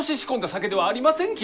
酒ではありませんき！